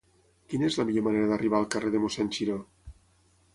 Quina és la millor manera d'arribar al carrer de Mossèn Xiró?